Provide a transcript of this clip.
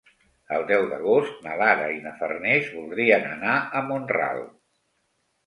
El deu d'agost na Lara i na Farners voldrien anar a Mont-ral.